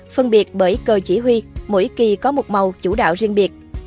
phân biệt bởi cờ chỉ huy mỗi kỳ có một màu chủ đạo riêng biệt